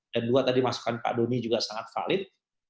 dan dua tadi masukan pak doni juga sangat valid